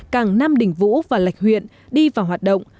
càng nam đình vũ và lạch huyện đi vào hoạt động